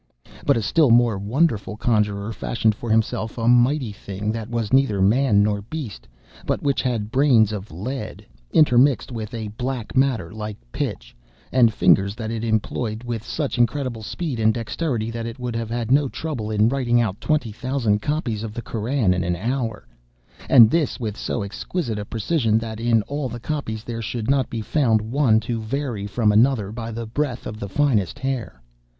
(*23) But a still more wonderful conjuror fashioned for himself a mighty thing that was neither man nor beast, but which had brains of lead, intermixed with a black matter like pitch, and fingers that it employed with such incredible speed and dexterity that it would have had no trouble in writing out twenty thousand copies of the Koran in an hour, and this with so exquisite a precision, that in all the copies there should not be found one to vary from another by the breadth of the finest hair.